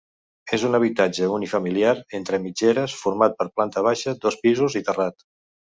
És un habitatge unifamiliar entre mitgeres format per planta baixa, dos pisos i terrat.